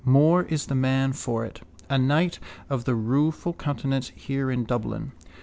Moore is the man for it. A knight of the rueful countenance here in Dublin.